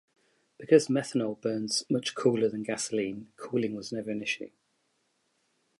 Because methanol burns much cooler than gasoline, cooling was never an issue.